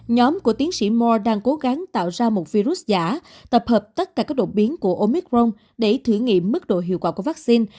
nhóm của tiến sĩ mo đang cố gắng tạo ra một virus giả tập hợp tất cả các đột biến của omicron để thử nghiệm mức độ hiệu quả của vaccine